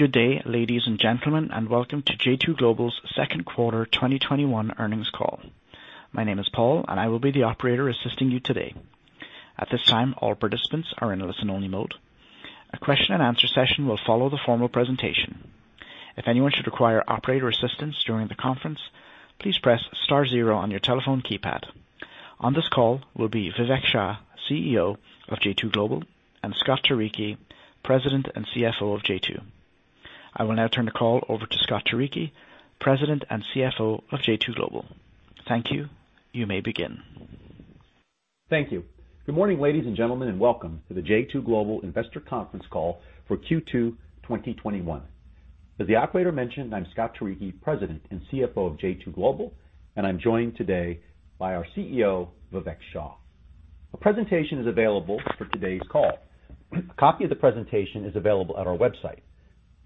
Good day, ladies and gentlemen, and welcome to J2 Global's second quarter 2021 earnings call. My name is Paul, and I will be the operator assisting you today. At this time, all participants are in a listen-only mode. A question and answer session will follow the formal presentation. If anyone should require operator assistance during the conference, please press star zero on your telephone keypad. On this call will be Vivek Shah, CEO of J2 Global, and Scott Turicchi, President and CFO of J2. I will now turn the call over to Scott Turicchi, President and CFO of J2 Global. Thank you. You may begin. Thank you. Good morning, ladies and gentlemen, and welcome to the J2 Global Investor Conference call for Q2 2021. As the operator mentioned, I'm Scott Turicchi, President and CFO of J2 Global, and I'm joined today by our CEO, Vivek Shah. A presentation is available for today's call. A copy of the presentation is available at our website.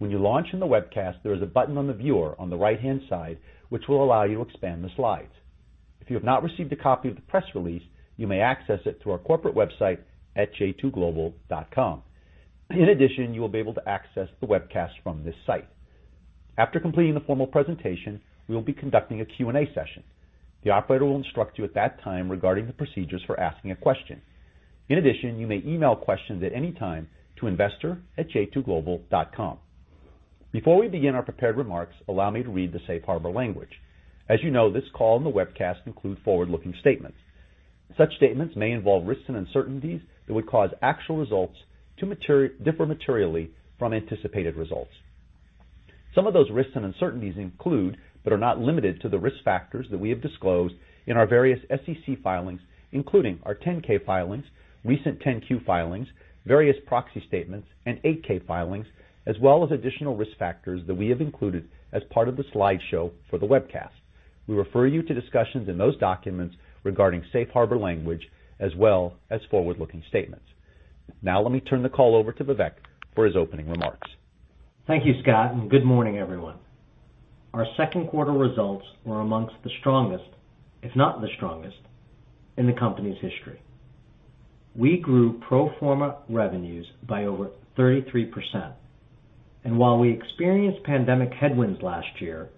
When you launch in the webcast, there is a button on the viewer on the right-hand side, which will allow you to expand the slides. If you have not received a copy of the press release, you may access it through our corporate website at J2global.com. In addition, you will be able to access the webcast from this site. After completing the formal presentation, we will be conducting a Q&A session. The operator will instruct you at that time regarding the procedures for asking a question. In addition, you may email questions at any time to investor@J2global.com. Before we begin our prepared remarks, allow me to read the safe harbor language. As you know, this call and the webcast include forward-looking statements. Such statements may involve risks and uncertainties that would cause actual results to differ materially from anticipated results. Some of those risks and uncertainties include, but are not limited to, the risk factors that we have disclosed in our various SEC filings, including our 10-K filings, recent 10-Q filings, various proxy statements, and 8-K filings, as well as additional risk factors that we have included as part of the slideshow for the webcast. We refer you to discussions in those documents regarding safe harbor language as well as forward-looking statements. Now let me turn the call over to Vivek for his opening remarks. Thank you, Scott. Good morning, everyone. Our second quarter results were amongst the strongest, if not the strongest, in the company's history. We grew pro forma revenues by over 33%, and while we experienced pandemic headwinds last year,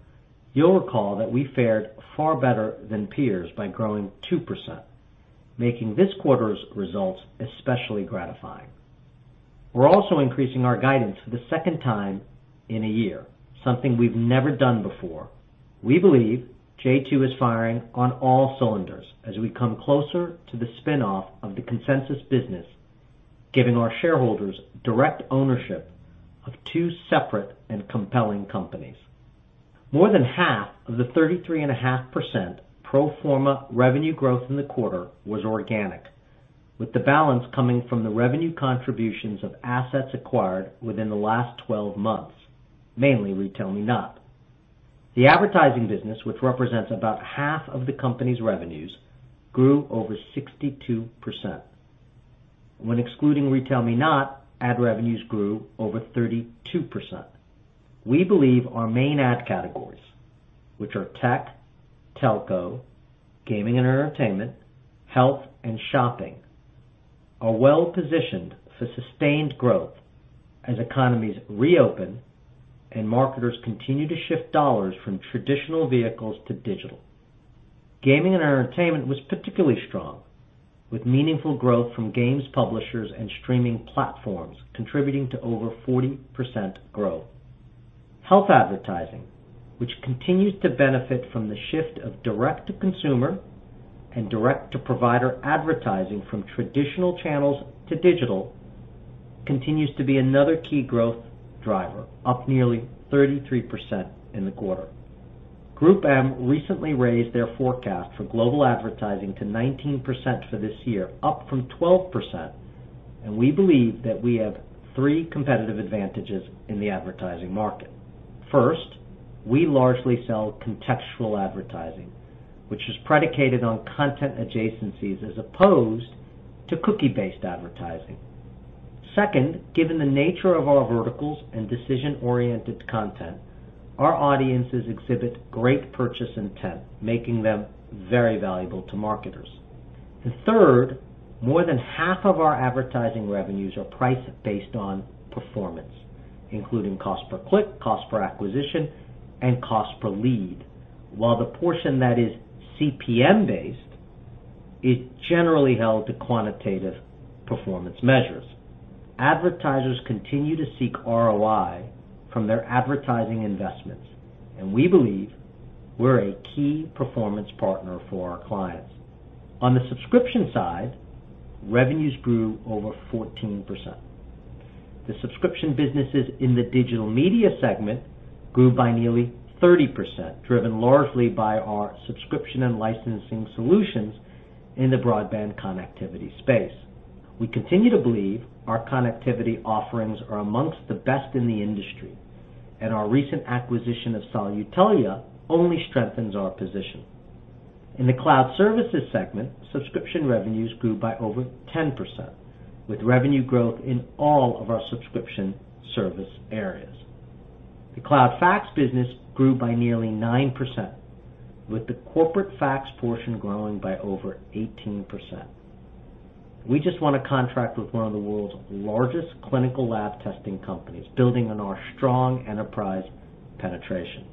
you'll recall that we fared far better than peers by growing 2%, making this quarter's results especially gratifying. We're also increasing our guidance for the second time in a year, something we've never done before. We believe J2 is firing on all cylinders as we come closer to the spin-off of the Consensus business, giving our shareholders direct ownership of two separate and compelling companies. More than half of the 33.5% pro forma revenue growth in the quarter was organic, with the balance coming from the revenue contributions of assets acquired within the last 12 months, mainly RetailMeNot. The advertising business, which represents about half of the company's revenues, grew over 62%. When excluding RetailMeNot, ad revenues grew over 32%. We believe our main ad categories, which are tech, telco, gaming and entertainment, health, and shopping, are well-positioned for sustained growth as economies reopen and marketers continue to shift dollars from traditional vehicles to digital. Gaming and entertainment was particularly strong, with meaningful growth from games publishers and streaming platforms contributing to over 40% growth. Health advertising, which continues to benefit from the shift of direct-to-consumer and direct-to-provider advertising from traditional channels to digital, continues to be another key growth driver, up nearly 33% in the quarter. GroupM recently raised their forecast for global advertising to 19% for this year, up from 12%, we believe that we have three competitive advantages in the advertising market. First, we largely sell contextual advertising, which is predicated on content adjacencies as opposed to cookie-based advertising. Second, given the nature of our verticals and decision-oriented content, our audiences exhibit great purchase intent, making them very valuable to marketers. Third, more than half of our advertising revenues are priced based on performance, including cost per click, cost per acquisition, and cost per lead. While the portion that is CPM-based is generally held to quantitative performance measures. Advertisers continue to seek ROI from their advertising investments, and we believe we're a key performance partner for our clients. On the subscription side, revenues grew over 14%. The subscription businesses in the digital media segment grew by nearly 30%, driven largely by our subscription and licensing solutions in the broadband connectivity space. We continue to believe our connectivity offerings are amongst the best in the industry, and our recent acquisition of Solutelia only strengthens our position. In the cloud services segment, subscription revenues grew by over 10%, with revenue growth in all of our subscription service areas. The Cloud Fax business grew by nearly 9%, with the corporate fax portion growing by over 18%. We just won a contract with one of the world's largest clinical lab testing companies, building on our strong enterprise penetration.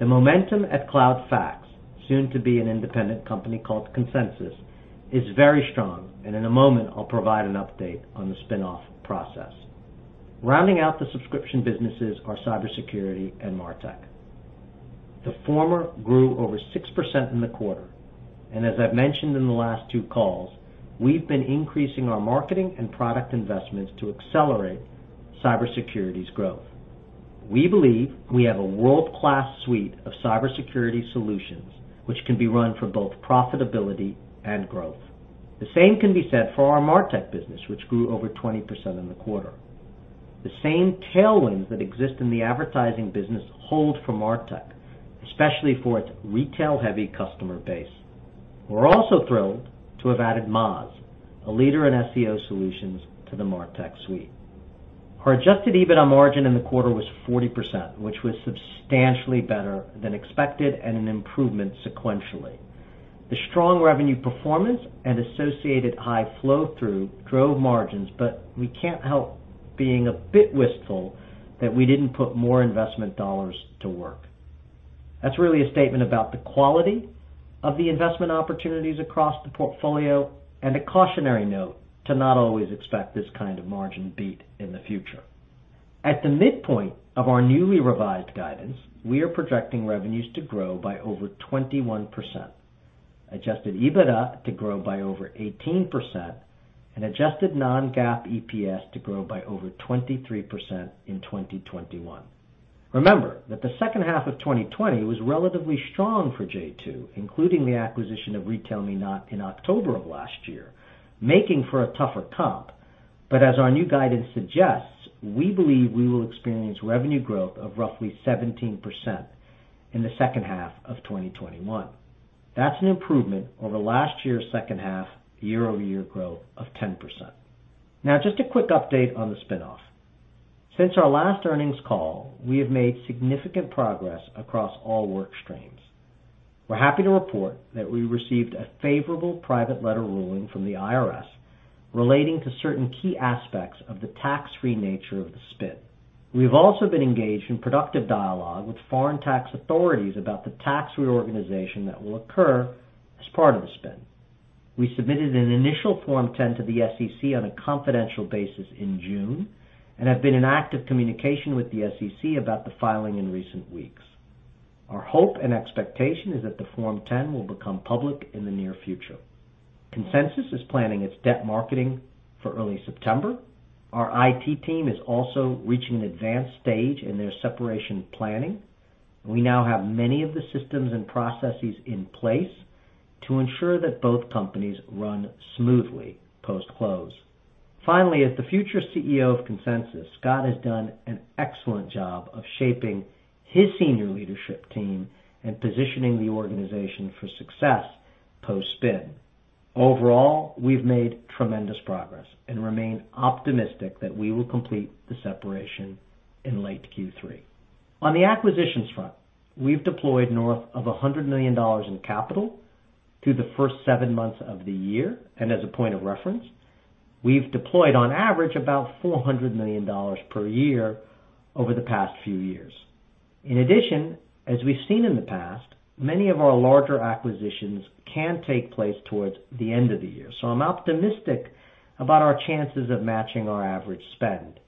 The momentum at Cloud Fax, soon to be an independent company called Consensus, is very strong, and in a moment, I'll provide an update on the spin-off process. Rounding out the subscription businesses are cybersecurity and MarTech. The former grew over 6% in the quarter, and as I've mentioned in the last two calls, we've been increasing our marketing and product investments to accelerate cybersecurity's growth. We believe we have a world-class suite of cybersecurity solutions which can be run for both profitability and growth. The same can be said for our MarTech business, which grew over 20% in the quarter. The same tailwinds that exist in the advertising business hold for MarTech, especially for its retail-heavy customer base. We are also thrilled to have added Moz, a leader in SEO solutions, to the MarTech suite. Our adjusted EBITDA margin in the quarter was 40%, which was substantially better than expected and an improvement sequentially. The strong revenue performance and associated high flow-through drove margins, but we cannot help being a bit wistful that we did not put more investment dollars to work. That is really a statement about the quality of the investment opportunities across the portfolio and a cautionary note to not always expect this kind of margin beat in the future. At the midpoint of our newly revised guidance, we are projecting revenues to grow by over 21%, adjusted EBITDA to grow by over 18%, and adjusted non-GAAP EPS to grow by over 23% in 2021. Remember that the second half of 2020 was relatively strong for J2, including the acquisition of RetailMeNot in October of last year, making for a tougher comp. As our new guidance suggests, we believe we will experience revenue growth of roughly 17% in the second half of 2021. That's an improvement over last year's second half year-over-year growth of 10%. Now, just a quick update on the spin-off. Since our last earnings call, we have made significant progress across all work streams. We're happy to report that we received a favorable private letter ruling from the IRS relating to certain key aspects of the tax-free nature of the spin. We've also been engaged in productive dialogue with foreign tax authorities about the tax reorganization that will occur as part of the spin. We submitted an initial Form 10 to the SEC on a confidential basis in June and have been in active communication with the SEC about the filing in recent weeks. Our hope and expectation is that the Form 10 will become public in the near future. Consensus is planning its debt marketing for early September. Our IT team is also reaching an advanced stage in their separation planning. We now have many of the systems and processes in place to ensure that both companies run smoothly post-close. Finally, as the future CEO of Consensus, Scott has done an excellent job of shaping his senior leadership team and positioning the organization for success post-spin. Overall, we've made tremendous progress and remain optimistic that we will complete the separation in late Q3. On the acquisitions front, we've deployed north of $100 million in capital through the first seven months of the year. As a point of reference, we've deployed on average about $400 million per year over the past few years. In addition, as we've seen in the past, many of our larger acquisitions can take place towards the end of the year. I'm optimistic about our chances of matching our average spend.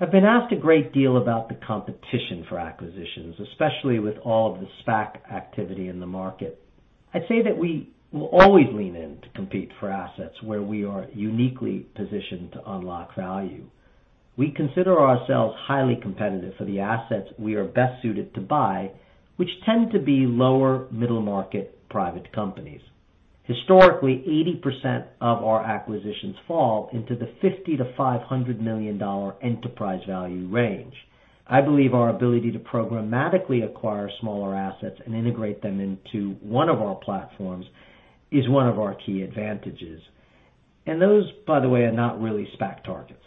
I've been asked a great deal about the competition for acquisitions, especially with all of the SPAC activity in the market. I'd say that we will always lean in to compete for assets where we are uniquely positioned to unlock value. We consider ourselves highly competitive for the assets we are best suited to buy, which tend to be lower middle-market private companies. Historically, 80% of our acquisitions fall into the $50 million-$500 million enterprise value range. I believe our ability to programmatically acquire smaller assets and integrate them into one of our platforms is one of our key advantages. Those, by the way, are not really SPAC targets.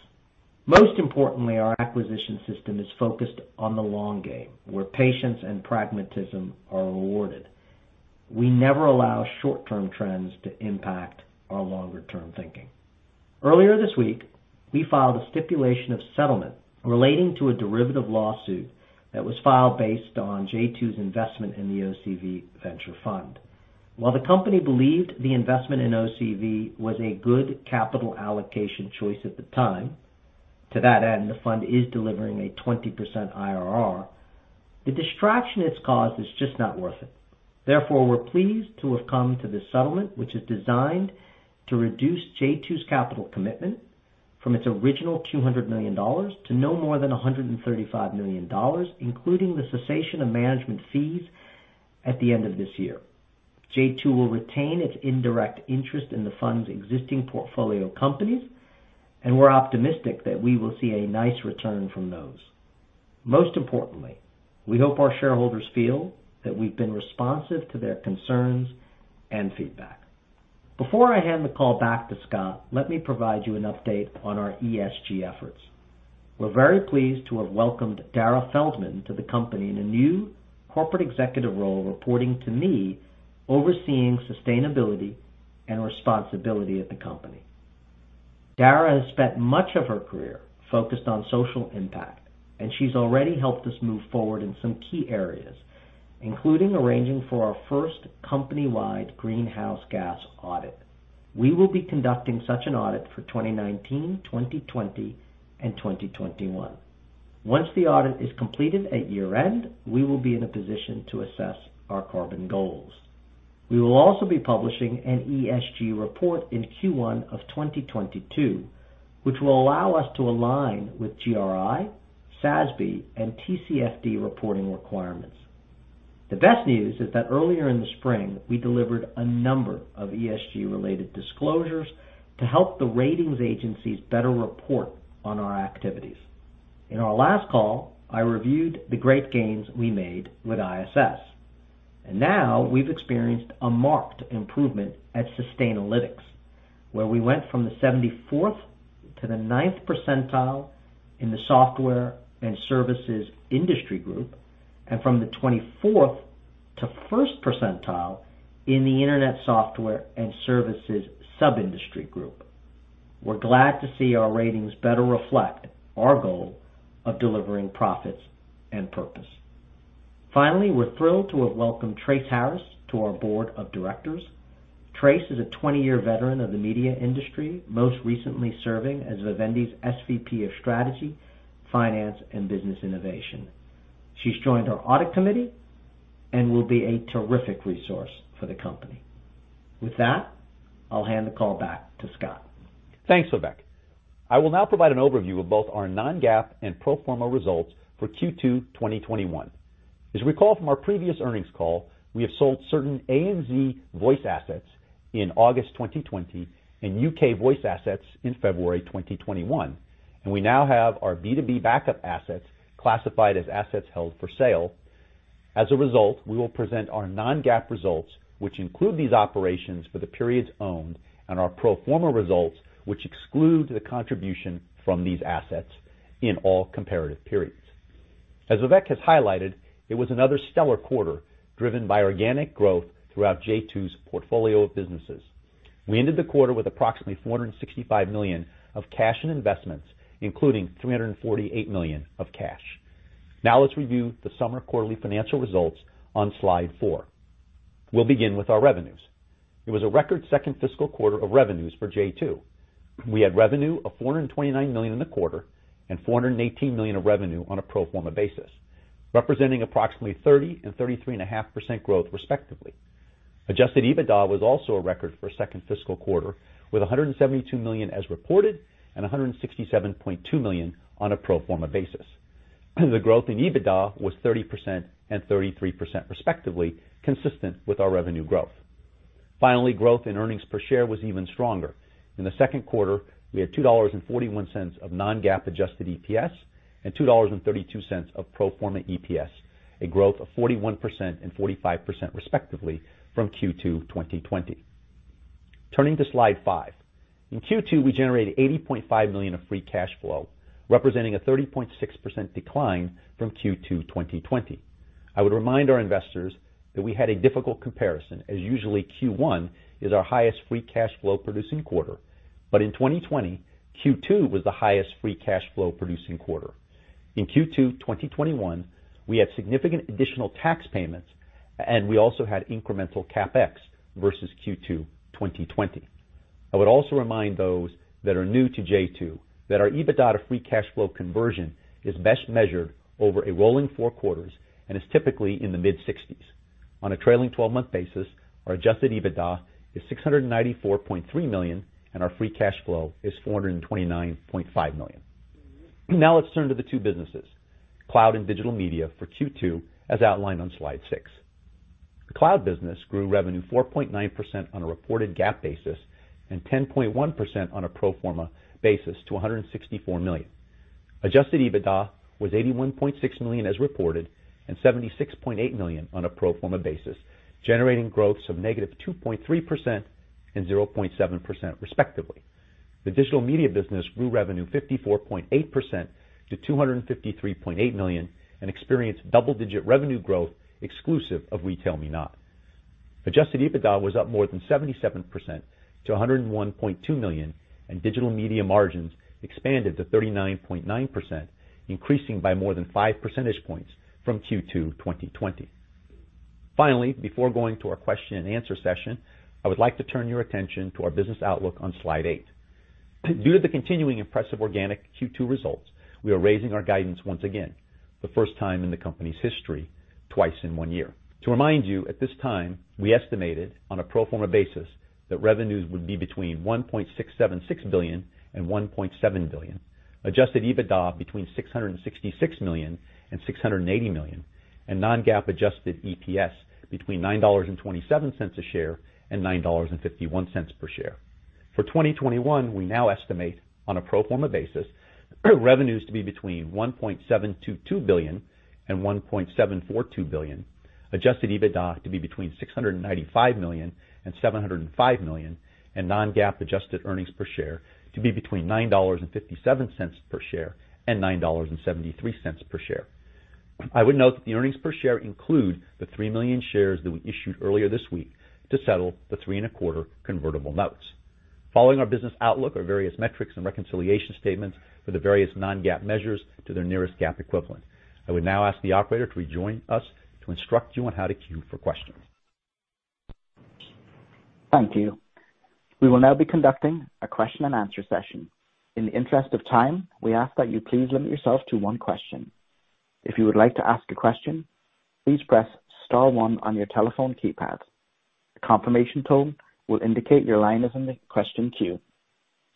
Most importantly, our acquisition system is focused on the long game, where patience and pragmatism are rewarded. We never allow short-term trends to impact our longer-term thinking. Earlier this week, we filed a stipulation of settlement relating to a derivative lawsuit that was filed based on J2's investment in the OCV venture fund. While the company believed the investment in OCV was a good capital allocation choice at the time, to that end, the fund is delivering a 20% IRR, the distraction it's caused is just not worth it. Therefore, we're pleased to have come to this settlement, which is designed to reduce J2's capital commitment from its original $200 million to no more than $135 million, including the cessation of management fees at the end of this year. J2 will retain its indirect interest in the fund's existing portfolio companies, and we're optimistic that we will see a nice return from those. Most importantly, we hope our shareholders feel that we've been responsive to their concerns and feedback. Before I hand the call back to Scott, let me provide you an update on our ESG efforts. We're very pleased to have welcomed Darrah Feldman to the company in a new corporate executive role, reporting to me, overseeing sustainability and responsibility at the company. Darrah has spent much of her career focused on social impact, and she's already helped us move forward in some key areas, including arranging for our first company-wide greenhouse gas audit. We will be conducting such an audit for 2019, 2020, and 2021. Once the audit is completed at year-end, we will be in a position to assess our carbon goals. We will also be publishing an ESG report in Q1 of 2022, which will allow us to align with GRI, SASB, and TCFD reporting requirements. The best news is that earlier in the spring, we delivered a number of ESG-related disclosures to help the ratings agencies better report on our activities. In our last call, I reviewed the great gains we made with ISS, and now we've experienced a marked improvement at Sustainalytics, where we went from the 74th to the 9th percentile in the software and services industry group, and from the 24th to first percentile in the internet software and services sub-industry group. We're glad to see our ratings better reflect our goal of delivering profits and purpose. We're thrilled to have welcomed Trace Harris to our board of directors. Trace is a 20-year veteran of the media industry, most recently serving as Vivendi's SVP of Strategy, Finance, and Business Innovation. She's joined our audit committee and will be a terrific resource for the company. With that, I'll hand the call back to Scott. Thanks, Vivek. I will now provide an overview of both our non-GAAP and pro forma results for Q2 2021. As you recall from our previous earnings call, we have sold certain ANZ Voice assets in August 2020 and U.K. Voice assets in February 2021, and we now have our B2B backup assets classified as assets held for sale. As a result, we will present our non-GAAP results, which include these operations for the periods owned, and our pro forma results, which exclude the contribution from these assets in all comparative periods. As Vivek has highlighted, it was another stellar quarter, driven by organic growth throughout J2's portfolio of businesses. We ended the quarter with approximately $465 million of cash and investments, including $348 million of cash. Let's review the summary of quarterly financial results on slide four. We'll begin with our revenues. It was a record second fiscal quarter of revenues for J2. We had revenue of $429 million in the quarter and $418 million of revenue on a pro forma basis, representing approximately 30% and 33.5% growth, respectively. Adjusted EBITDA was also a record for a second fiscal quarter, with $172 million as reported and $167.2 million on a pro forma basis. The growth in EBITDA was 30% and 33% respectively, consistent with our revenue growth. Finally, growth in earnings per share was even stronger. In the second quarter, we had $2.41 of non-GAAP adjusted EPS and $2.32 of pro forma EPS, a growth of 41% and 45% respectively from Q2 2020. Turning to slide five. In Q2, we generated $80.5 million of free cash flow, representing a 30.6% decline from Q2 2020. I would remind our investors that we had a difficult comparison, as usually Q1 is our highest free cash flow-producing quarter. In 2020, Q2 was the highest free cash flow-producing quarter. In Q2 2021, we had significant additional tax payments, and we also had incremental CapEx versus Q2 2020. I would also remind those that are new to J2 that our EBITDA to free cash flow conversion is best measured over a rolling four quarters and is typically in the mid-60s. On a trailing 12-month basis, our adjusted EBITDA is $694.3 million, and our free cash flow is $429.5 million. Let's turn to the two businesses, Cloud and digital media for Q2, as outlined on slide six. The Cloud business grew revenue 4.9% on a reported GAAP basis and 10.1% on a pro forma basis to $164 million. Adjusted EBITDA was $81.6 million as reported and $76.8 million on a pro forma basis, generating growths of -2.3% and 0.7% respectively. The digital media business grew revenue 54.8% to $253.8 million and experienced double-digit revenue growth exclusive of RetailMeNot. Adjusted EBITDA was up more than 77% to $101.2 million, and digital media margins expanded to 39.9%, increasing by more than 5 percentage points from Q2 2020. Finally, before going to our question and answer session, I would like to turn your attention to our business outlook on slide 8. Due to the continuing impressive organic Q2 results, we are raising our guidance once again, the first time in the company's history, twice in one year. To remind you, at this time, we estimated on a pro forma basis that revenues would be between $1.676 billion and $1.7 billion, adjusted EBITDA between $666 million and $680 million, and non-GAAP adjusted EPS between $9.27 a share and $9.51 per share. For 2021, we now estimate on a pro forma basis, revenues to be between $1.722 billion and $1.742 billion, adjusted EBITDA to be between $695 million and $705 million, and non-GAAP adjusted earnings per share to be between $9.57 per share and $9.73 per share. I would note that the earnings per share include the 3 million shares that we issued earlier this week to settle the three and a quarter convertible notes. Following our business outlook are various metrics and reconciliation statements for the various non-GAAP measures to their nearest GAAP equivalent. I would now ask the operator to rejoin us to instruct you on how to queue for questions. Thank you. We will now be conducting a question and answer session. In the interest of time, we ask that you please limit yourself to one question. If you would like to ask a question, please press star one on your telephone keypad. A confirmation tone will indicate your line is in the question queue.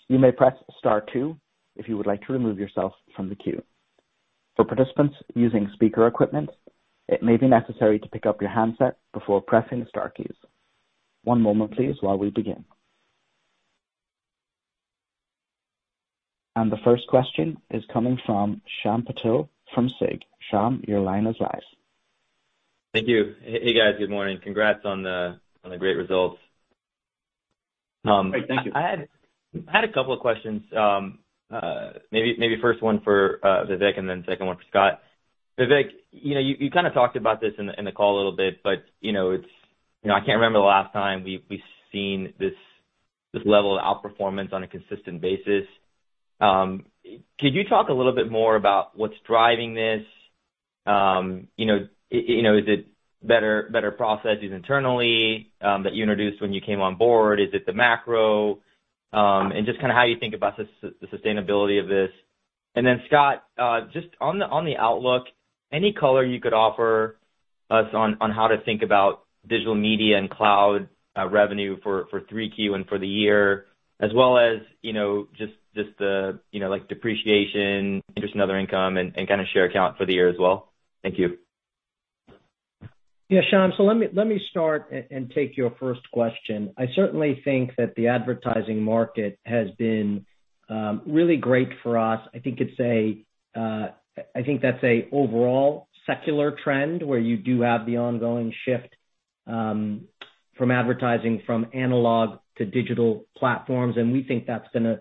You may press star two if you would like to remove yourself from the queue. For participants using speaker equipment, it may be necessary to pick up your handset before pressing the star keys. One moment please, while we begin. The first question is coming from Shyam Patil from SIG. Shyam, your line is live. Thank you. Hey, guys. Good morning. Congrats on the great results. Great. Thank you. I had a couple of questions. Maybe first one for Vivek and then second one for Scott. Vivek, you kind of talked about this in the call a little bit, but I can't remember the last time we've seen this level of outperformance on a consistent basis. Could you talk a little bit more about what's driving this? Is it better processes internally that you introduced when you came on board? Is it the macro? Just how you think about the sustainability of this. Scott, just on the outlook, any color you could offer us on how to think about digital media and cloud revenue for 3Q and for the year, as well as just the depreciation, interest in other income, and kind of share count for the year as well. Thank you. Yeah, Shyam. Let me start and take your first question. I certainly think that the advertising market has been really great for us. I think that's a overall secular trend where you do have the ongoing shift from advertising from analog to digital platforms, and we think that's gonna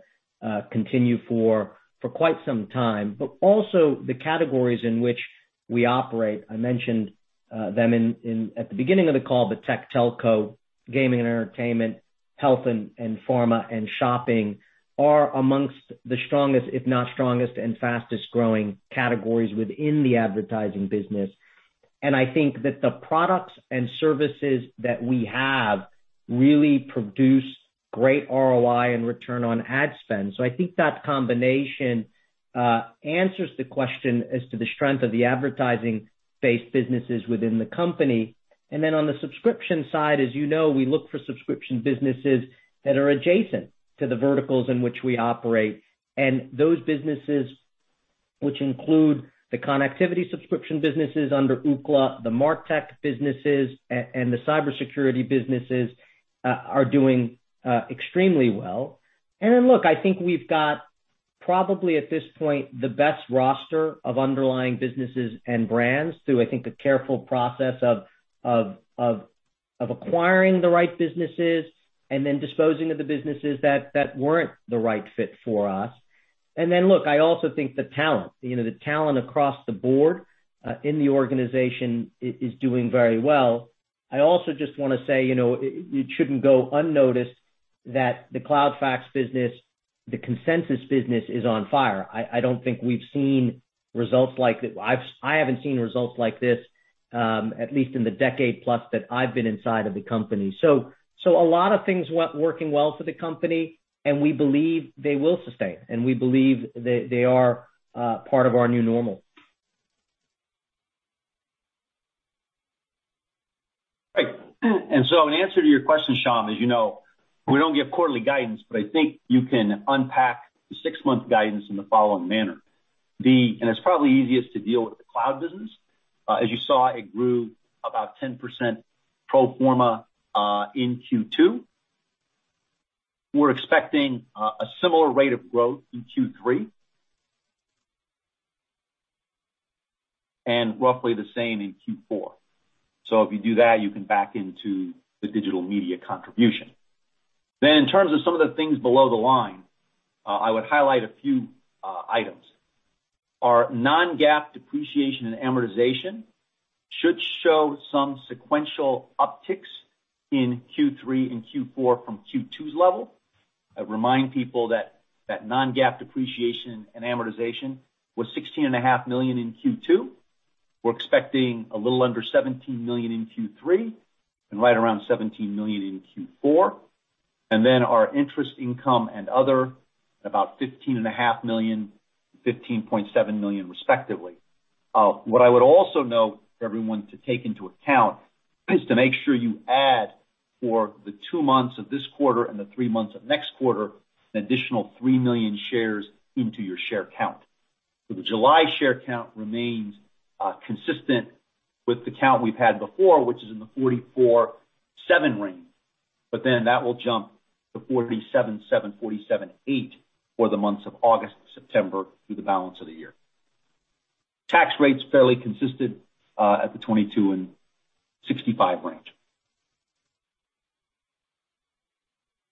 continue for quite some time. Also the categories in which we operate, I mentioned them at the beginning of the call, the tech telco, gaming and entertainment, health and pharma, and shopping are amongst the strongest, if not strongest and fastest-growing categories within the advertising business. I think that the products and services that we have really produce great ROI and return on ad spend. I think that combination answers the question as to the strength of the advertising-based businesses within the company. Then on the subscription side, as you know, we look for subscription businesses that are adjacent to the verticals in which we operate. Those businesses, which include the connectivity subscription businesses under Ookla, the MarTech businesses, and the cybersecurity businesses, are doing extremely well. Look, I think we've got probably at this point, the best roster of underlying businesses and brands through, I think a careful process of acquiring the right businesses and then disposing of the businesses that weren't the right fit for us. Then, look, I also think the talent across the board in the organization is doing very well. I also just want to say, it shouldn't go unnoticed that the Cloud Fax business, the Consensus business, is on fire. I haven't seen results like this, at least in the decade plus that I've been inside of the company. A lot of things working well for the company, and we believe they will sustain, and we believe they are part of our new normal. Great. In answer to your question, Shyam, as you know, we don't give quarterly guidance, but I think you can unpack the six-month guidance in the following manner. It's probably easiest to deal with the cloud business. As you saw, it grew about 10% pro forma in Q2. We're expecting a similar rate of growth in Q3. Roughly the same in Q4. If you do that, you can back into the digital media contribution. In terms of some of the things below the line, I would highlight a few items. Our non-GAAP depreciation and amortization should show some sequential upticks in Q3 and Q4 from Q2's level. I remind people that non-GAAP depreciation and amortization was $16.5 million in Q2. We're expecting a little under $17 million in Q3, and right around $17 million in Q4. Our interest income and other, about $15.5 million, $15.7 million, respectively. What I would also note for everyone to take into account is to make sure you add for the two months of this quarter and the three months of next quarter, an additional 3 million shares into your share count. The July share count remains consistent with the count we've had before, which is in the 44.7 range, that will jump to 47.7, 47.8 for the months of August, September through the balance of the year. Tax rate's fairly consistent at the 22% and 65% range.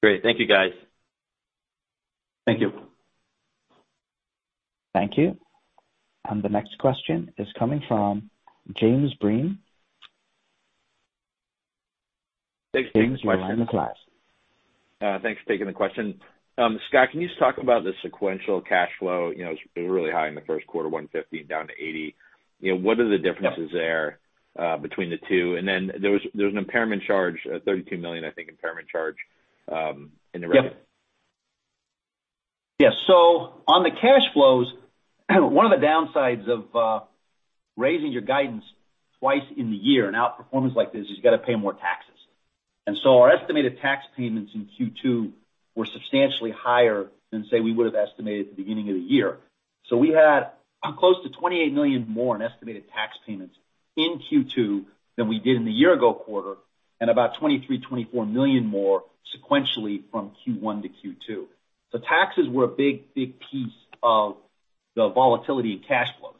Great. Thank you, guys. Thank you. Thank you. The next question is coming from James Breen. Thanks. James, your line is live. Thanks for taking the question. Scott, can you just talk about the sequential cash flow? It was really high in the first quarter, $150 million down to $80 million. What are the differences there between the two? Then there was an impairment charge, $32 million, I think, impairment charge in the record. On the cash flows, one of the downsides of raising your guidance two in the year, an outperformance like this, is you've got to pay more taxes. Our estimated tax payments in Q2 were substantially higher than, say, we would've estimated at the beginning of the year. We had close to $28 million more in estimated tax payments in Q2 than we did in the year-ago quarter, and about $23 million-$24 million more sequentially from Q1 to Q2. Taxes were a big piece of the volatility in cash flows.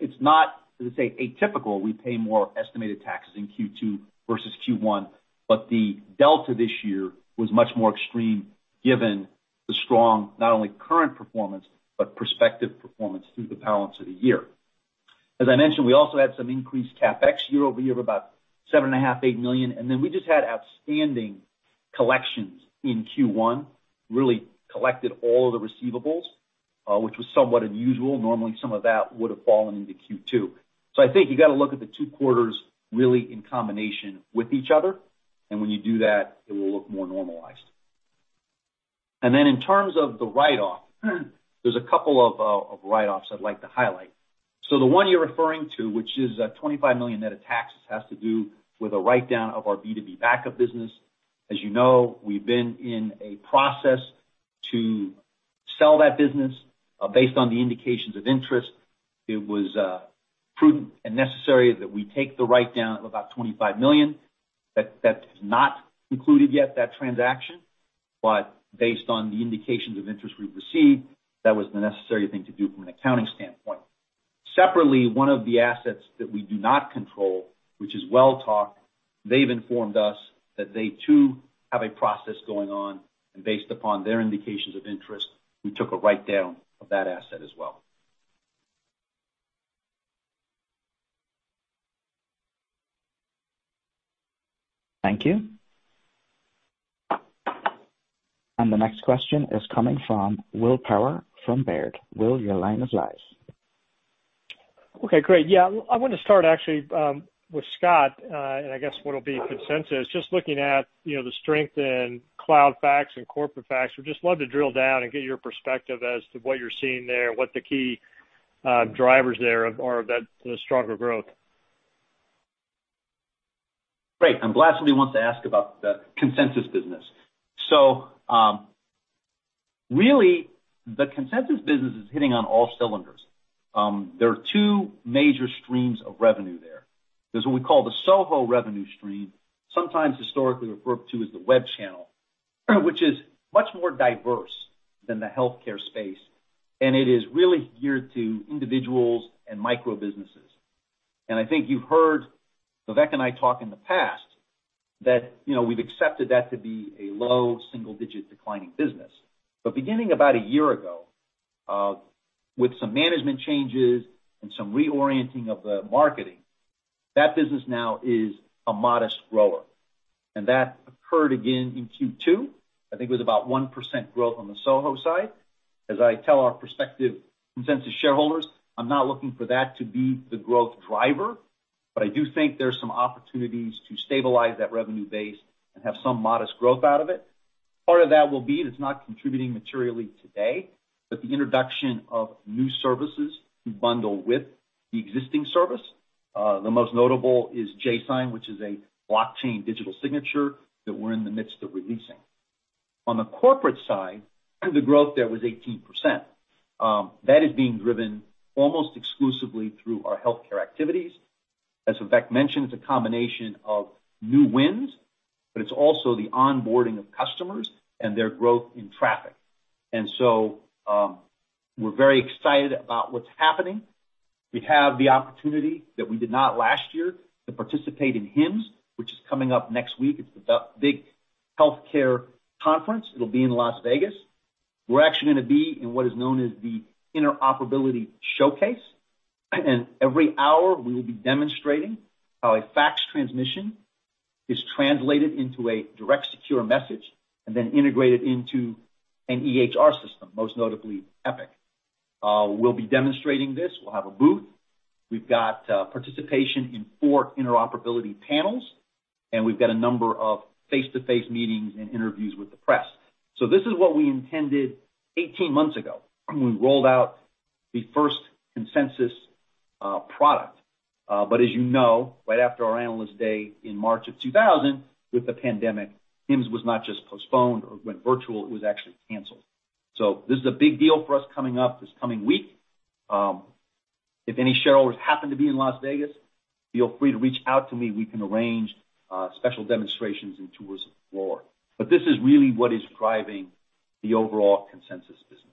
It's not, as I say, atypical. We pay more estimated taxes in Q2 versus Q1, but the delta this year was much more extreme given the strong, not only current performance, but prospective performance through the balance of the year. As I mentioned, we also had some increased CapEx year-over-year of about $7.5 million, $8 million, we just had outstanding collections in Q1. Really collected all of the receivables, which was somewhat unusual. Normally, some of that would've fallen into Q2. I think you got to look at the two quarters really in combination with each other, and when you do that, it will look more normalized. In terms of the write-off, there's a couple of write-offs I'd like to highlight. The one you're referring to, which is a $25 million net of taxes, has to do with a write-down of our B2B backup business. As you know, we've been in a process to sell that business. Based on the indications of interest, it was prudent and necessary that we take the write-down of about $25 million. That is not included yet, that transaction. Based on the indications of interest we've received, that was the necessary thing to do from an accounting standpoint. Separately, one of the assets that we do not control, which is Welltok, they've informed us that they too have a process going on, and based upon their indications of interest, we took a write-down of that asset as well. Thank you. The next question is coming from Will Power from Baird. Will, your line is live. Okay, great. Yeah, I want to start actually with Scott, and I guess what'll be Consensus. Just looking at the strength in Cloud Fax and corporate fax, would just love to drill down and get your perspective as to what you're seeing there, what the key drivers there are of that stronger growth. Great. I'm glad somebody wants to ask about the Consensus business. Really, the Consensus business is hitting on all cylinders. There are two major streams of revenue there. There's what we call the SOHO revenue stream, sometimes historically referred to as the web channel, which is much more diverse than the healthcare space, and it is really geared to individuals and micro businesses. I think you've heard Vivek and I talk in the past that we've accepted that to be a low single-digit declining business. Beginning about a year ago, with some management changes and some reorienting of the marketing, that business now is a modest grower. That occurred again in Q2. I think it was about 1% growth on the SOHO side. As I tell our prospective Consensus shareholders, I'm not looking for that to be the growth driver, but I do think there's some opportunities to stabilize that revenue base and have some modest growth out of it. Part of that will be, that's not contributing materially today, but the introduction of new services to bundle with the existing service. The most notable is jSign, which is a blockchain digital signature that we're in the midst of releasing. On the corporate side, the growth there was 18%. That is being driven almost exclusively through our healthcare activities. As Vivek mentioned, it's a combination of new wins, but it's also the onboarding of customers and their growth in traffic. So, we're very excited about what's happening. We have the opportunity that we did not last year to participate in HIMSS, which is coming up next week. It's the big healthcare conference. It'll be in Las Vegas. Every hour, we're actually gonna be in what is known as the Interoperability Showcase, we will be demonstrating how a fax transmission is translated into a Direct Secure Message and then integrated into an EHR system, most notably Epic. We'll be demonstrating this. We'll have a booth. We've got participation in four interoperability panels, We've got a number of face-to-face meetings and interviews with the press. This is what we intended 18 months ago when we rolled out the first Consensus product. As you know, right after our Analyst Day in March of 2000, with the pandemic, HIMSS was not just postponed or went virtual, it was actually canceled. This is a big deal for us coming up this coming week. If any shareholders happen to be in Las Vegas, feel free to reach out to me. We can arrange special demonstrations and tours of the floor. This is really what is driving the overall Consensus business.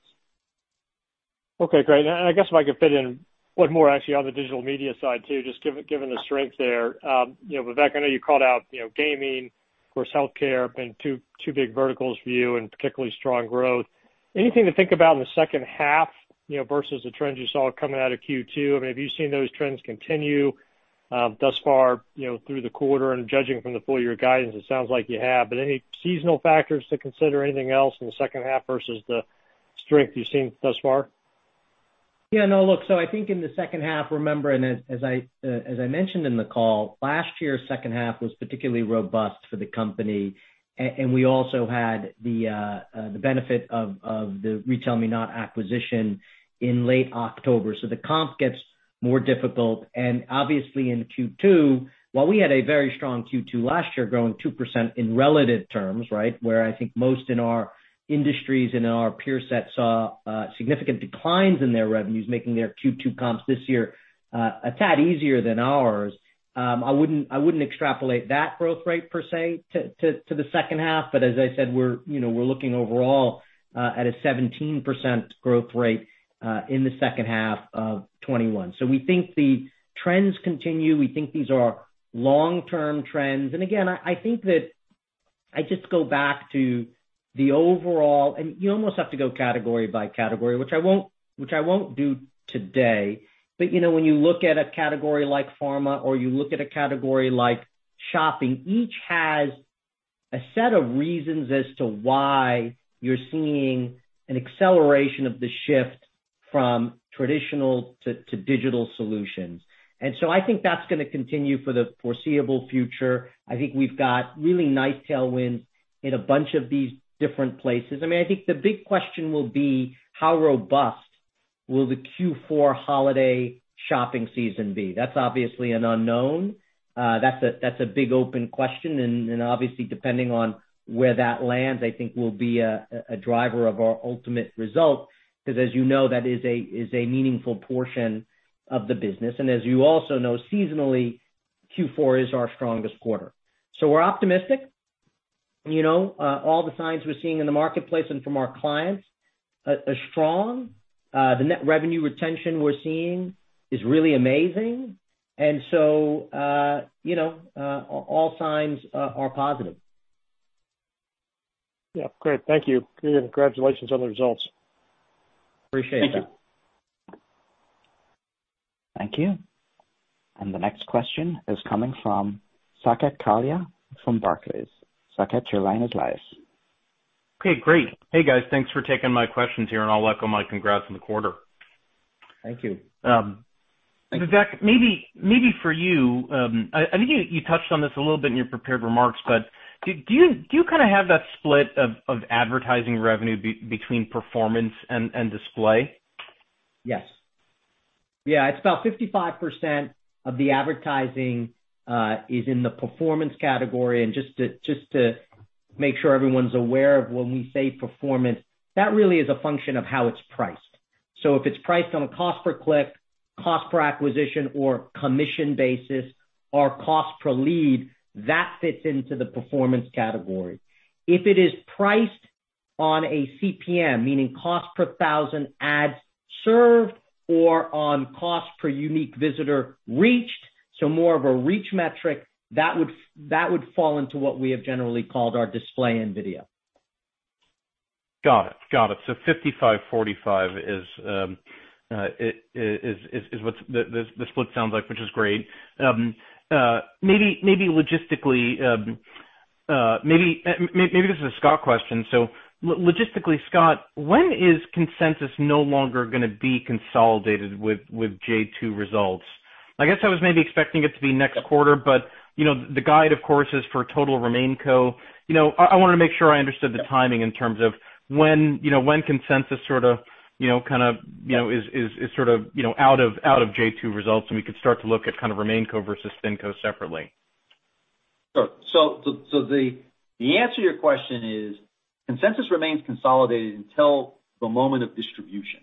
Okay, great. I guess if I could fit in one more, actually, on the digital media side too, just given the strength there. Vivek, I know you called out gaming, of course, healthcare, been two big verticals for you and particularly strong growth. Anything to think about in the second half, versus the trends you saw coming out of Q2? Have you seen those trends continue thus far through the quarter? Judging from the full-year guidance, it sounds like you have. Any seasonal factors to consider? Anything else in the second half versus the strength you've seen thus far? Yeah, no, look, I think in the second half, remember, as I mentioned in the call, last year's second half was particularly robust for the company. We also had the benefit of the RetailMeNot acquisition in late October. The comp gets more difficult, and obviously in Q2, while we had a very strong Q2 last year, growing 2% in relative terms, where I think most in our industries and in our peer set saw significant declines in their revenues, making their Q2 comps this year a tad easier than ours. I wouldn't extrapolate that growth rate per se to the second half. As I said, we're looking overall at a 17% growth rate in the second half of 2021. We think the trends continue. We think these are long-term trends. Again, I think that I just go back to the overall, and you almost have to go category by category, which I won't do today. When you look at a category like pharma or you look at a category like shopping, each has a set of reasons as to why you're seeing an acceleration of the shift from traditional to digital solutions. I think that's going to continue for the foreseeable future. I think we've got really nice tailwinds in a bunch of these different places. I think the big question will be how robust will the Q4 holiday shopping season be? That's obviously an unknown. That's a big open question, and obviously depending on where that lands, I think will be a driver of our ultimate result, because as you know, that is a meaningful portion of the business. As you also know, seasonally, Q4 is our strongest quarter. We're optimistic. All the signs we're seeing in the marketplace and from our clients are strong. The net revenue retention we're seeing is really amazing. All signs are positive. Yeah. Great. Thank you. Congratulations on the results. Appreciate that. Thank you. Thank you. The next question is coming from Saket Kalia from Barclays. Saket, your line is live. Okay, great. Hey, guys, thanks for taking my questions here. I'll echo my congrats on the quarter. Thank you. Vivek, maybe for you, I think you touched on this a little bit in your prepared remarks, but do you kind of have that split of advertising revenue between performance and display? Yes. Yeah, it's about 55% of the advertising is in the performance category. Just to make sure everyone's aware of when we say performance, that really is a function of how it's priced. If it's priced on a cost per click, cost per acquisition or commission basis or cost per lead, that fits into the performance category. If it is priced on a CPM, meaning cost per thousand ads served or on cost per unique visitor reached, more of a reach metric, that would fall into what we have generally called our display and video. Got it. 55/45 is what the split sounds like, which is great. Maybe this is a Scott question. Logistically, Scott, when is Consensus no longer going to be consolidated with J2 results? I guess I was maybe expecting it to be next quarter, but the guide, of course, is for total RemainCo. I want to make sure I understood the timing in terms of when Consensus sort of is out of J2 results, and we could start to look at kind of RemainCo versus SpinCo separately. Sure. The answer to your question is Consensus remains consolidated until the moment of distribution.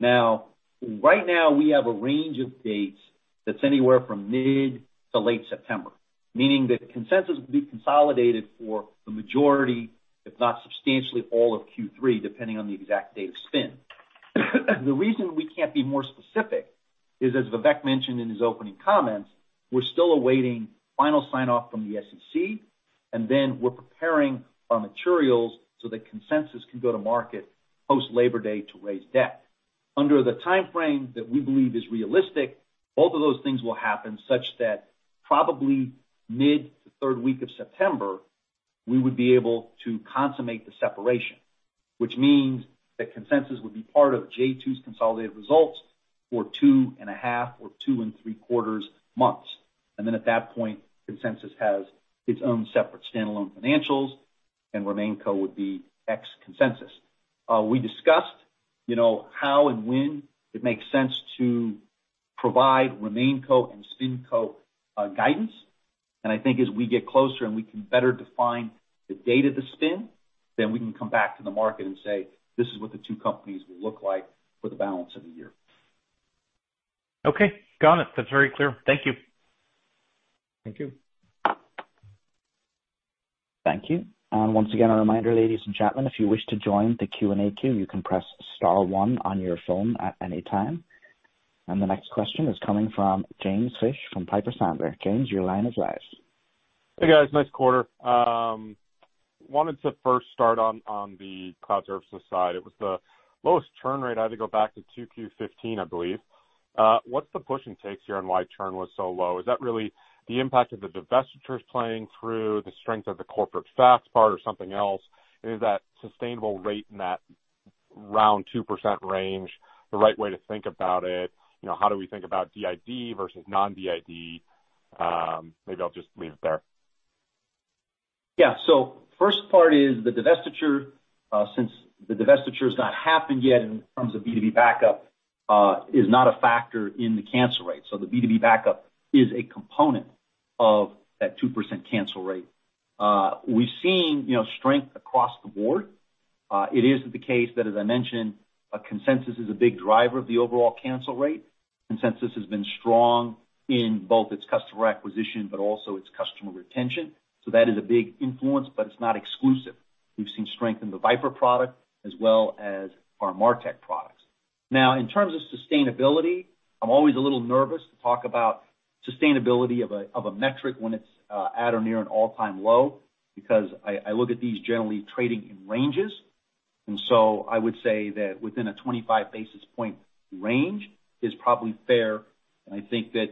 Right now we have a range of dates that's anywhere from mid to late September, meaning that Consensus will be consolidated for the majority, if not substantially all of Q3, depending on the exact date of spin. The reason we can't be more specific is, as Vivek mentioned in his opening comments, we're still awaiting final sign-off from the SEC, and then we're preparing our materials so that Consensus can go to market post Labor Day to raise debt. Under the timeframe that we believe is realistic, both of those things will happen such that probably mid to third week of September, we would be able to consummate the separation, which means that Consensus would be part of J2's consolidated results for two and a half or two and three quarters months. Then at that point, Consensus has its own separate standalone financials. RemainCo would be ex-Consensus. We discussed how and when it makes sense to provide RemainCo and SpinCo guidance. I think as we get closer and we can better define the date of the spin, then we can come back to the market and say, "This is what the two companies will look like for the balance of the year. Okay, got it. That's very clear. Thank you. Thank you. Thank you. Once again, a reminder, ladies and gentlemen, if you wish to join the Q&A queue, you can press star one on your phone at any time. The next question is coming from James Fish from Piper Sandler. James, your line is live. Hey, guys. Nice quarter. Wanted to first start on the Cloud Services side. It was the lowest churn rate I had to go back to 2Q 2015, I believe. What's the push and takes here on why churn was so low? Is that really the impact of the divestitures playing through, the strength of the corporate fax part or something else? Is that sustainable rate in that round 2% range the right way to think about it? How do we think about DID versus non-DID? Maybe I'll just leave it there. Yeah. First part is the divestiture. Since the divestiture has not happened yet in terms of B2B Backup, is not a factor in the cancel rate. The B2B Backup is a component of that 2% cancel rate. We've seen strength across the board. It is the case that, as I mentioned, Consensus is a big driver of the overall cancel rate. Consensus has been strong in both its customer acquisition, but also its customer retention. That is a big influence, but it's not exclusive. We've seen strength in the VIPRE product as well as our MarTech products. Now, in terms of sustainability, I'm always a little nervous to talk about sustainability of a metric when it's at or near an all-time low, because I look at these generally trading in ranges. I would say that within a 25 basis point range is probably fair, and I think that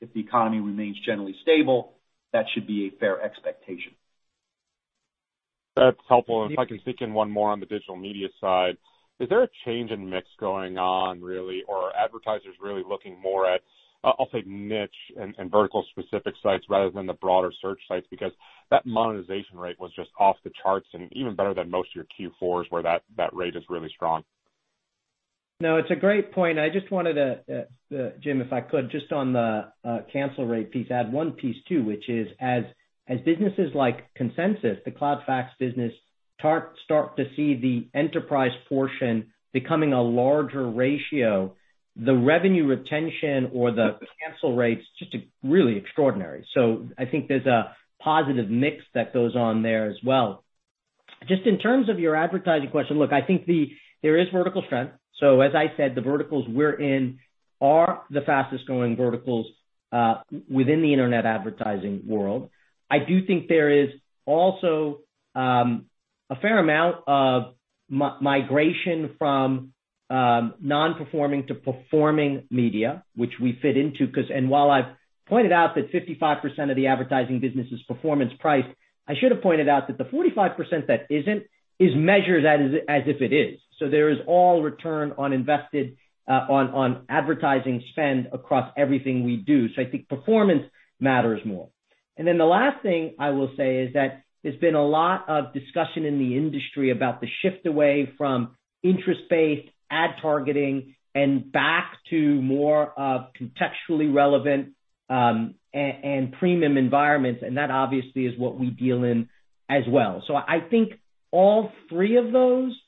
if the economy remains generally stable, that should be a fair expectation. That's helpful. If I can sneak in one more on the digital media side. Is there a change in mix going on really, or are advertisers really looking more at, I'll say, niche and vertical specific sites rather than the broader search sites? Because that monetization rate was just off the charts and even better than most of your Q4s, where that rate is really strong. It's a great point, and I just wanted to Jim, if I could, just on the cancel rate piece, add one piece too, which is as businesses like Consensus, the Cloud Fax business start to see the enterprise portion becoming a larger ratio, the revenue retention or the cancel rates, just really extraordinary. I think there's a positive mix that goes on there as well. Just in terms of your advertising question, look, I think there is vertical strength. As I said, the verticals we're in are the fastest-growing verticals within the Internet advertising world. I do think there is also a fair amount of migration from non-performing to performing media, which we fit into, because, and while I've pointed out that 55% of the advertising business is performance price, I should have pointed out that the 45% that isn't is measured as if it is. There is all return on invested on advertising spend across everything we do. I think performance matters more. The last thing I will say is that there's been a lot of discussion in the industry about the shift away from interest-based ad targeting and back to more of contextually relevant and premium environments, and that obviously is what we deal in as well. I think all three of those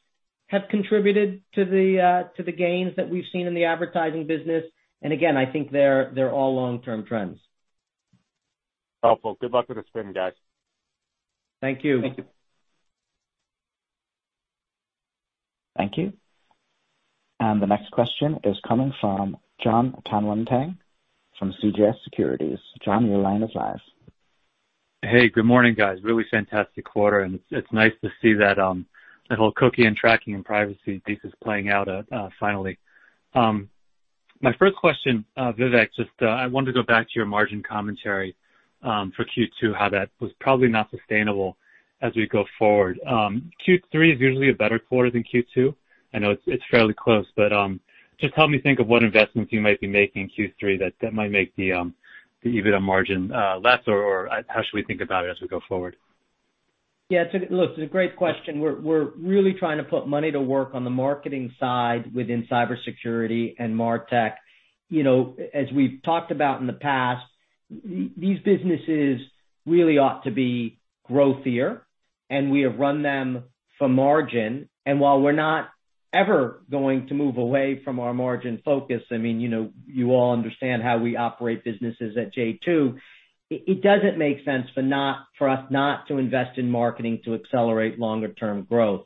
have contributed to the gains that we've seen in the advertising business. Again, I think they're all long-term trends. Helpful. Good luck with the spin, guys. Thank you. Thank you. Thank you. The next question is coming from Jon Tanwanteng from CJS Securities. John, your line is live. Hey, good morning, guys. Really fantastic quarter. It's nice to see that whole cookie and tracking and privacy piece is playing out finally. My first question, Vivek, just I wanted to go back to your margin commentary for Q2, how that was probably not sustainable as we go forward. Q3 is usually a better quarter than Q2. I know it's fairly close. Just help me think of what investments you might be making in Q3 that might make the EBITDA margin less, or how should we think about it as we go forward? Look, it's a great question. We're really trying to put money to work on the marketing side within cybersecurity and MarTech. As we've talked about in the past, these businesses really ought to be growthier, and we have run them for margin. While we're not ever going to move away from our margin focus, you all understand how we operate businesses at J2, it doesn't make sense for us not to invest in marketing to accelerate longer-term growth.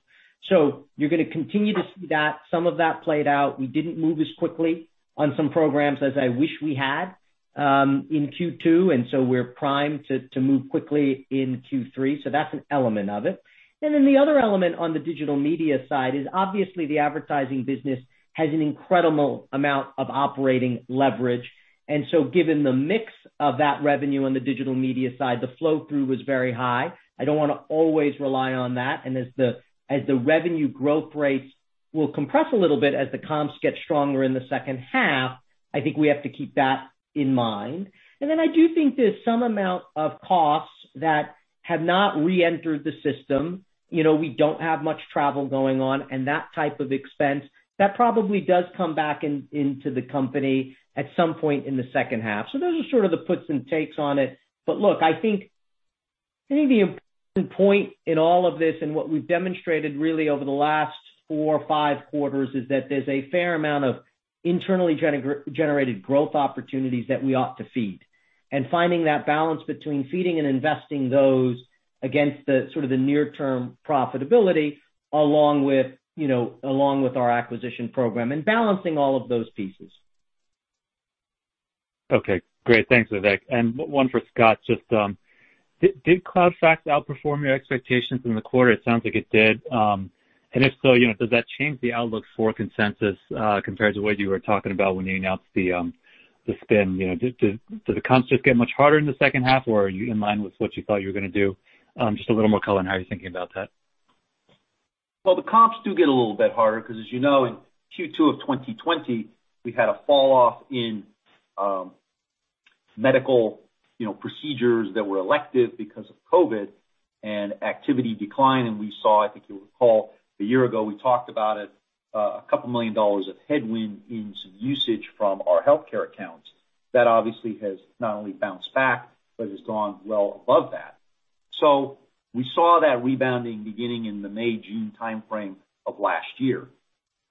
You're going to continue to see that. Some of that played out. We didn't move as quickly on some programs as I wish we had in Q2, we're primed to move quickly in Q3. That's an element of it. Then the other element on the digital media side is obviously the advertising business has an incredible amount of operating leverage. Given the mix of that revenue on the digital media side, the flow-through was very high. I don't want to always rely on that. As the revenue growth rates will compress a little bit as the comps get stronger in the second half, I think we have to keep that in mind. Then I do think there's some amount of costs that have not reentered the system. We don't have much travel going on and that type of expense, that probably does come back into the company at some point in the second half. Those are sort of the puts and takes on it. Look, I think the important point in all of this, and what we've demonstrated really over the last four or five quarters, is that there's a fair amount of internally-generated growth opportunities that we ought to feed. Finding that balance between feeding and investing those against the near-term profitability along with our acquisition program, and balancing all of those pieces. Okay, great. Thanks, Vivek. One for Scott. Just, did Cloud Fax outperform your expectations in the quarter? It sounds like it did. If so, does that change the outlook for Consensus, compared to what you were talking about when you announced the spin? Do the comps just get much harder in the second half, or are you in line with what you thought you were going to do? Just a little more color on how you're thinking about that. Well, the comps do get a little bit harder because as you know, in Q2 of 2020, we had a fall-off in medical procedures that were elective because of COVID and activity decline. We saw, I think you'll recall, a year ago we talked about it, a couple million dollars of headwind in some usage from our healthcare accounts. That obviously has not only bounced back, but has gone well above that. We saw that rebounding beginning in the May-June timeframe of last year.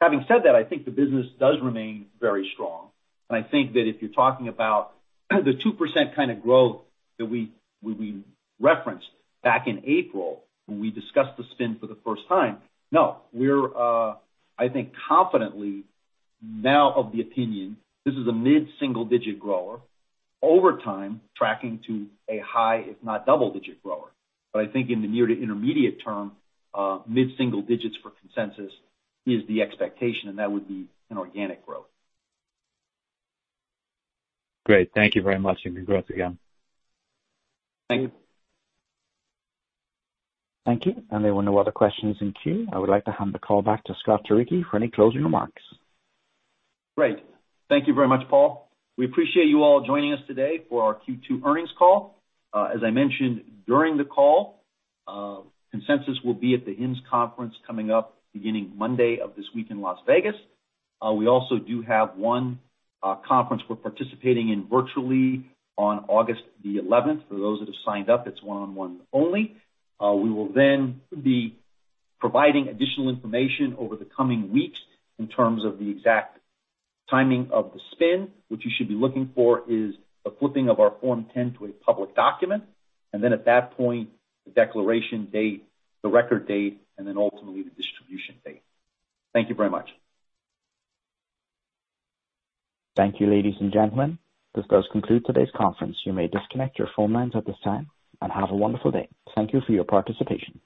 Having said that, I think the business does remain very strong. I think that if you're talking about the 2% kind of growth that we referenced back in April when we discussed the spin for the first time, no, we're, I think confidently now of the opinion this is a mid-single digit grower over time tracking to a high, if not double digit grower. I think in the near to intermediate term, mid-single digits for Consensus is the expectation, and that would be in organic growth. Great. Thank you very much. You can go off again. Thank you. Thank you. There were no other questions in queue. I would like to hand the call back to Scott Turicchi for any closing remarks. Great. Thank you very much, Paul. We appreciate you all joining us today for our Q2 earnings call. As I mentioned during the call, Consensus will be at the HIMSS Conference coming up beginning Monday of this week in Las Vegas. We also do have one conference we're participating in virtually on August the 11th. For those that have signed up, it's one-on-one only. We will be providing additional information over the coming weeks in terms of the exact timing of the spin. What you should be looking for is a flipping of our Form 10 to a public document, at that point, the declaration date, the record date, ultimately the distribution date. Thank you very much. Thank you, ladies and gentlemen. This does conclude today's conference. You may disconnect your phone lines at this time, and have a wonderful day. Thank you for your participation.